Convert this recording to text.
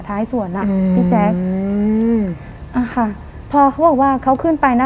ท้ายสวนอ่ะอืมพี่แจ๊คอืมอ่าค่ะพอเขาบอกว่าเขาขึ้นไปนะ